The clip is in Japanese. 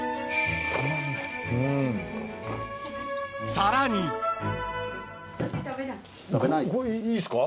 さらにこれいいっすか？